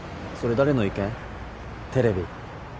それ誰の意見？テレビ？